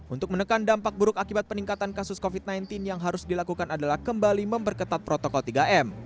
untuk menekan dampak buruk akibat peningkatan kasus covid sembilan belas yang harus dilakukan adalah kembali memperketat protokol tiga m